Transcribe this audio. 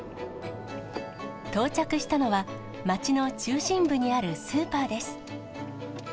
到着したのは、町の中心部にあるスーパーです。